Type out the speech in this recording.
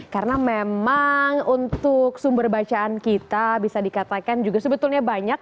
karena memang untuk sumber bacaan kita bisa dikatakan juga sebetulnya banyak